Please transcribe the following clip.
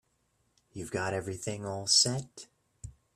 You've got everything all set?